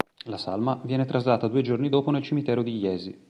La salma viene traslata due giorni dopo nel cimitero di Jesi.